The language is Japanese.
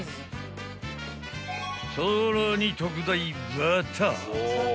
［さらに特大バター］